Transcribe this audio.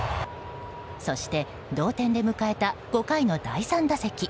そして、同点で迎えた５回の第３打席。